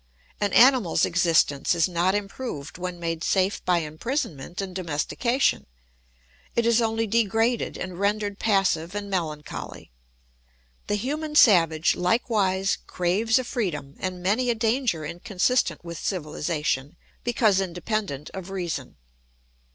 An animal's existence is not improved when made safe by imprisonment and domestication; it is only degraded and rendered passive and melancholy. The human savage likewise craves a freedom and many a danger inconsistent with civilisation, because independent of reason.